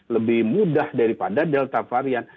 lebih mudah daripada delta varian